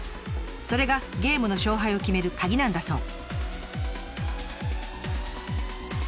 それがゲームの勝敗を決めるカギなんだそう。